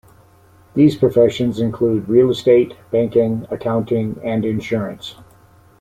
These professions include real estate, banking, accounting, and insurance.